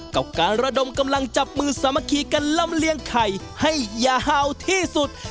กับการระดมกำลังจับมือสามัคคีกันลำเลียงไข่ให้ยาวเห่าที่สุด